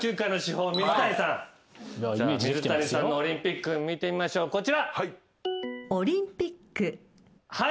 水谷さんの「オリンピック」見てみましょうこちら。